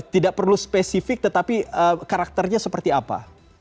tidak perlu spesifik tetapi karakternya seperti apa